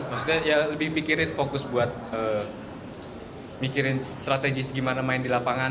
maksudnya ya lebih mikirin fokus buat mikirin strategi gimana main di lapangan